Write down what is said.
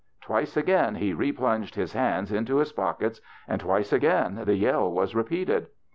Twice again he replunged his hands in to his pockets and twice again the yell was repeated.